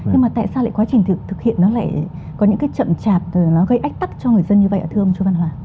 nhưng mà tại sao lại quá trình thực hiện nó lại có những cái chậm chạp nó gây ách tắc cho người dân như vậy ạ thưa ông chúa văn hòa